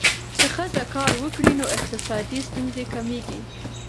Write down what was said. که ښځه کار وکړي، نو اقتصادي ستونزې کمېږي.